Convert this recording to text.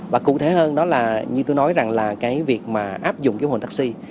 và cụ thể hơn đó là như tôi nói rằng là cái việc mà áp dụng cái mô hình taxi